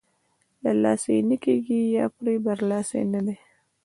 له لاسه یې نه کېږي یا پرې برلاسۍ نه دی.